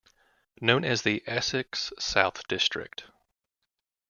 Known as the "Essex South" district.